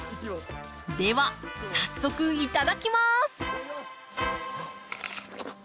では早速いただきます！